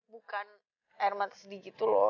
bukan air mata sedih gitu loh